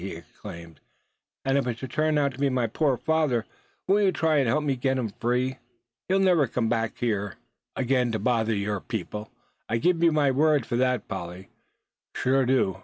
he exclaimed. "And if it should turn out to be my poor father, won't you try and help me get him free? He'll never come back here again to bother your people; I give you my word for that, Polly, sure I do.